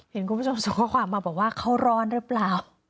เห็นคุณผู้ชมส่งข้อความมาบอกว่าเขาร้อนหรือเปล่า